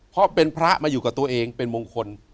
เพราะเป็นพระมาอยู่กับตัวเองเป็นมงคล